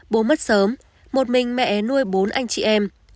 bố mất sớm một mình mẹ nuôi bốn anh chị em